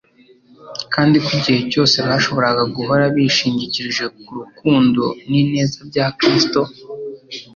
kandi ko igihe cyose bashobora guhora bishingikirije ku urukundo n'ineza bya Kristo.